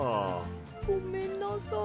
ごめんなさい。